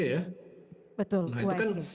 nah itu kan